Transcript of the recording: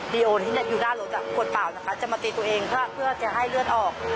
ดีโอที่อยู่หน้ารถขวดเปล่านะคะจะมาตีตัวเองเพื่อจะให้เลือดออก